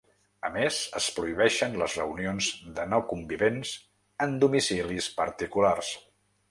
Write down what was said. A més, es prohibeixen les reunions de no convivents en domicilis particulars.